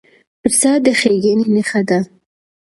پسه د ښېګڼې نښه ده.